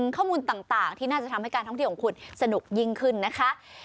ข้อมูลต่างที่น่าจะทำให้การท่องเที่ยวของคุณสนุกยิ่งขึ้นนะคะ